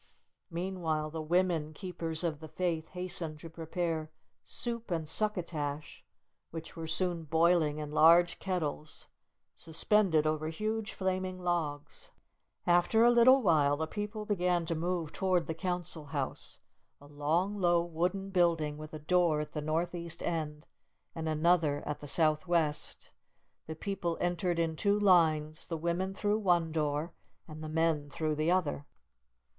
Meanwhile, the women "Keepers of the Faith," hastened to prepare soup and succotash, which were soon boiling in large kettles suspended over huge, flaming logs. After a little while the people began to move toward the Council House, a long, low, wooden building, with a door at the northeast end, and another at the southwest. The people entered in two lines, the women through one door, and the men through the other.